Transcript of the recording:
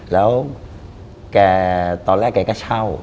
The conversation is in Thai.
แล้วแกตอนแรกแกก็เช่า